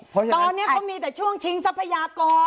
ตอนนี้เขามีแต่ช่วงชิงทรัพยากร